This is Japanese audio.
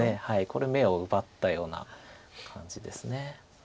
これ眼を奪ったような感じです。